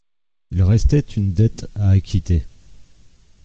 Il restait une dette à acquitter.